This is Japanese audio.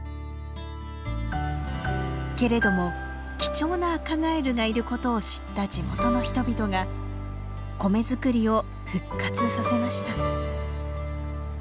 けれども貴重なアカガエルがいることを知った地元の人々が米作りを復活させました。